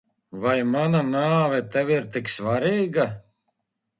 Vai mana nāve tev ir tik svarīga?